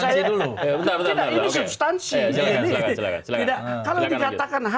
kalau dikatakan hak kebebasan itu kan bisa juga dibatasi kalau melihat bahwa